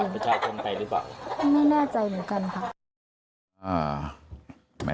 ไม่แน่ใจเหมือนกันค่ะ